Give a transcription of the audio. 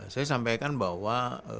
saya sampaikan bahwa